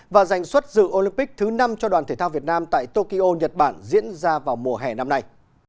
và giành xuất dự olympic thứ năm cho đoàn thể thao việt nam tại tokyo nhật bản diễn ra vào mùa hè năm nay